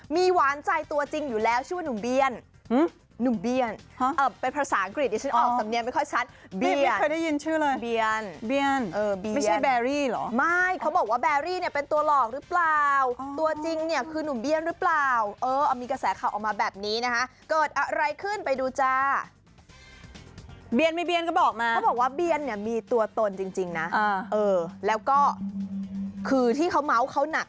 มีตัวตนจริงนะเออแล้วก็คือที่เขาเมาส์เขาหนัก